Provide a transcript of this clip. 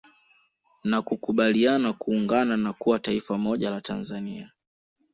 Na kukubaliana kuungana na kuwa taifa moja la Tanzania